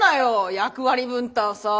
役割分担さ。